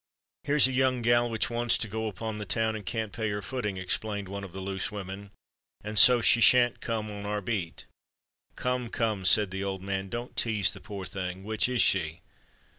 "Here's a young gal which wants to go upon the town, and can't pay her footing," explained one of the loose women; "and so she shan't come on our beat." "Come, come," said the old man; "don't tease the poor thing! Which is she?